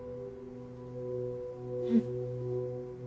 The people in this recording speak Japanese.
うん。